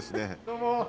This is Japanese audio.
どうも！